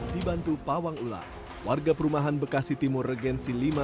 dibantu pawang ular warga perumahan bekasi timur regensi lima